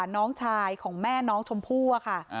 น้องชายของแม่น้องชมพู่อะค่ะ